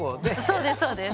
そうですそうです。